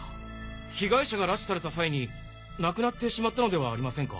被害者が拉致された際になくなってしまったのではありませんか？